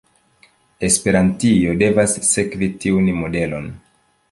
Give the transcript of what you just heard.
Esperantio devas sekvi tiun modelon.